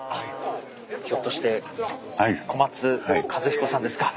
ひょっとして小松和彦さんですか？